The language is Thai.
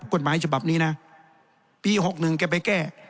กฎหมายฉบับนี้นะปี๖๑แกไปแก้